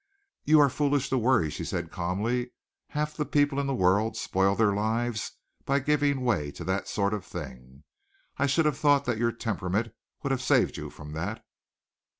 "You are foolish to worry," she said calmly. "Half the people in the world spoil their lives by giving way to that sort of thing. I should have thought that your temperament would have saved you from that."